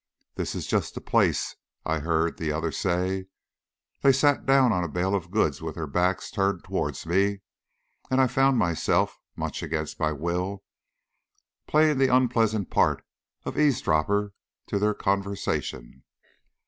"This is just the place," I heard the other say. They sat down on a bale of goods with their backs turned towards me, and I found myself, much against my will, playing the unpleasant part of eavesdropper to their conversation.